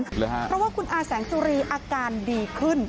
เพราะว่าคุณอาแสงจุรีอาการดีขึ้น